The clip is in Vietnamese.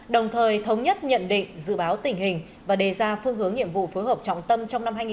đồng thời thống nhất nhận định dự báo tình hình và đề ra phương hướng nhiệm vụ phối hợp trọng tâm trong năm hai nghìn hai mươi